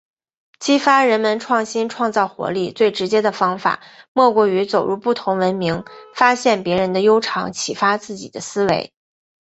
激发人们创新创造活力，最直接的方法莫过于走入不同文明，发现别人的优长，启发自己的思维。